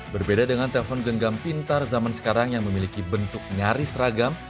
berbeda dengan telpon genggam pintar zaman sekarang yang memiliki bentuk nyaris ragam